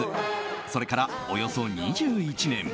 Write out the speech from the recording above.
それからおよそ２１年。